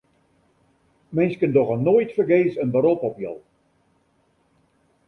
Minsken dogge noait fergees in berop op jo.